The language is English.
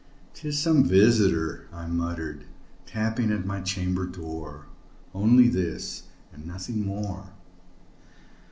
"'Tis some visitor," I muttered, "tapping at my chamber door Only this and nothing more."